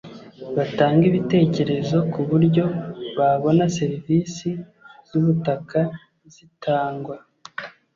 batange ibitekerezo ku buryo babona serivisi z ubutaka zitangwa